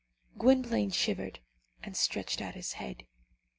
Gwynplaine shivered, and stretched out his head.